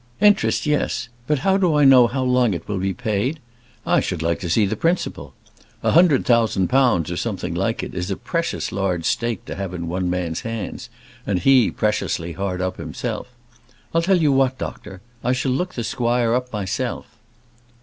"Interest, yes; but how do I know how long it will be paid? I should like to see the principal. A hundred thousand pounds, or something like it, is a precious large stake to have in one man's hands, and he preciously hard up himself. I'll tell you what, doctor I shall look the squire up myself."